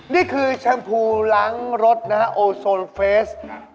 นี่คือแชมพูล้างรถนะครับโอซอลเฟซ